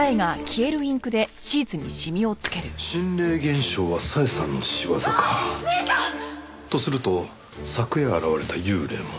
心霊現象は小枝さんの仕業か。とすると昨夜現れた幽霊も。